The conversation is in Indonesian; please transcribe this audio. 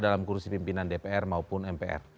dalam kursi pimpinan dpr maupun mpr